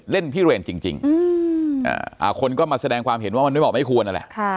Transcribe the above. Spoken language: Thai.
พิเรนจริงคนก็มาแสดงความเห็นว่ามันไม่เหมาะไม่ควรนั่นแหละ